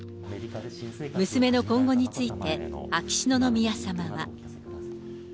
娘の今後について、秋篠宮さまは。